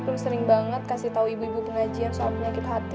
aku sering banget kasih tahu ibu ibu pengajian soal penyakit hati